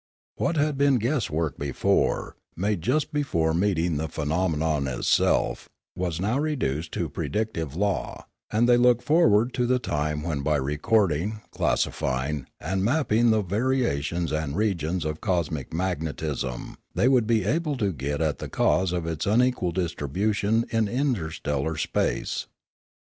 What had been guess work before, made just before meeting the phenomenon itself, was how reduced to predictive law; and they looked forward to the time when by recording, classify ing, and mapping the variations and regions of cosmic magnetism they would be able to get at the cause of its unequal distribution in interstellar space.